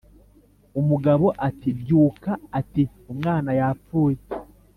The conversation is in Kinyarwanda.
umugabo ati "Byuka, ati: "Umwana yapfuye